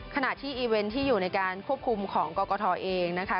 ขณะที่อีเวนต์ที่อยู่ในการควบคุมของกรกฐเองนะคะ